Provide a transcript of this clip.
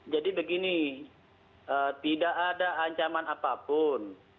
jadi begini tidak ada ancaman apapun